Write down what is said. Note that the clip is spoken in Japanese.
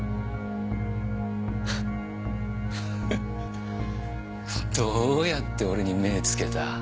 フッフフッどうやって俺に目ぇつけた？